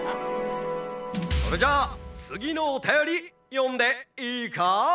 「それじゃあつぎのおたよりよんでいイカ？」。